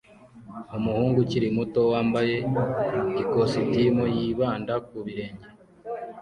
Umuhungu ukiri muto wambaye ikositimu yibanda ku birenge